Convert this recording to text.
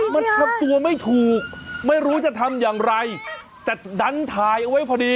มันทำตัวไม่ถูกไม่รู้จะทำอย่างไรแต่ดันถ่ายเอาไว้พอดี